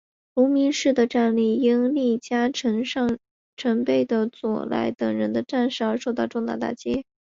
芦名氏的战力因有力家臣金上盛备和佐濑种常等人的战死而受到重大打击。